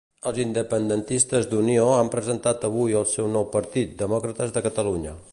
Els independentistes d'Unió han presentat avui el seu nou partit, Demòcrates de Catalunya.